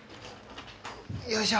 よいしょ。